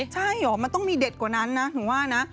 ใช่เหรอมันต้องมีเด็ดกว่านั้นนะถึงว่านะ